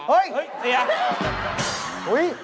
เฮ้ยเสีย